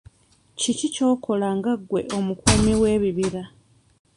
Kiki ky'okola nga ggwe omukuumi w'ebibira?